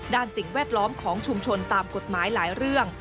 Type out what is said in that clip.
สิ่งแวดล้อมของชุมชนตามกฎหมายหลายเรื่อง